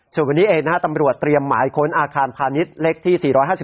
ส่วนวันนี้เองนะฮะตำรวจเตรียมหมายค้นอาคารพาณิชย์เล็กที่๔๕๒